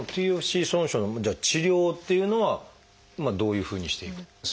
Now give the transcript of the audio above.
ＴＦＣＣ損傷の治療っていうのはどういうふうにしていくと。